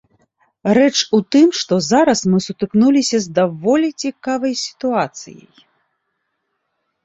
Рэч у тым, што зараз мы сутыкнуліся з даволі цікавай сітуацыяй.